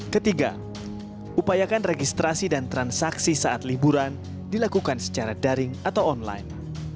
ketiga upayakan registrasi dan transaksi saat liburan dilakukan secara daring atau online